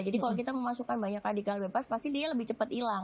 jadi kalau kita memasukkan banyak radikal bebas pasti dia lebih cepat hilang